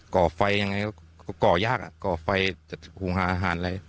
่อไฟยังไงก็ก่อยากอ่ะก่อไฟจะหุงหาอาหารอะไร